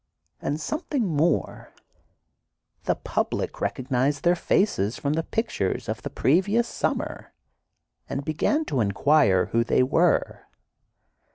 And something more: The public recognized their faces from the pictures of the previous summer, and began to inquire who they were.